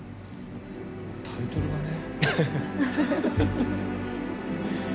タイトルがね。